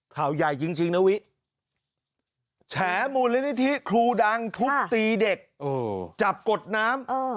ข่าวใหญ่จริงนะวิแฉมูลนิธิครูดังทุบตีเด็กจับกดน้ำ